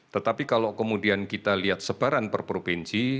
tetapi kalau kemudian kita lihat sebaran per provinsi